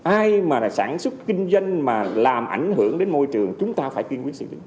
ai mà sản xuất kinh doanh mà làm ảnh hưởng đến môi trường chúng ta phải kiên quyết xử lý